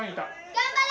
頑張れ！